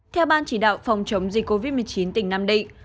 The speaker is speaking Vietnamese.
theo ban chỉ đạo phòng chống dịch covid một mươi chín tỉnh nam định